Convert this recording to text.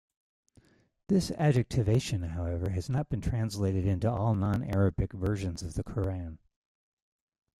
This adjectivation, however, has not been translated into all non-Arabic versions of the Quran.